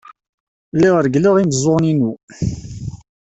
Lliɣ reggleɣ imeẓẓuɣen-inu.